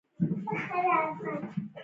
د نوي خیال څرګندولو ته هم انشأ وايي.